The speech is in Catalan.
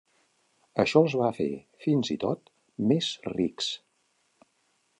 Això els va fer fins i tot més rics.